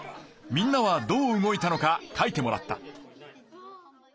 みんなはどう動いたのか書いてもらった。